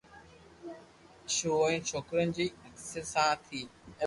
شرو ٻن ڇوڪرن جي حيثيت سان ٿي،